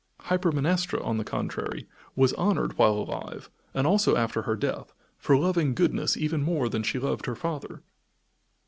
Hypermnestra, on the contrary, was honored while alive, and also after her death, for loving goodness even more than she loved her father.